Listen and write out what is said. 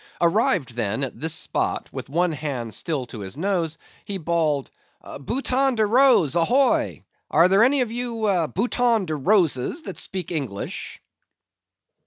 Arrived then at this spot, with one hand still to his nose, he bawled—"Bouton de Rose, ahoy! are there any of you Bouton de Roses that speak English?"